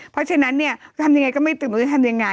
เพราะฉะนั้นทำอย่างไรก็ไม่ตื่นแล้วทำอย่างไร